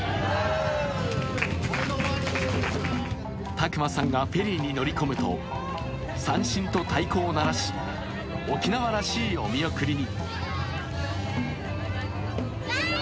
拓真さんがフェリーに乗り込むと三線と太鼓を鳴らし沖縄らしいお見送りに。